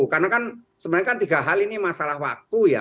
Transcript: karena kan sebenarnya kan tiga hal ini masalah waktu ya